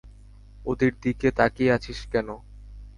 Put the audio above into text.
ওদের দিকে তাকিয়ে আছিস কেন?